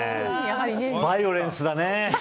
バイオレンスだね。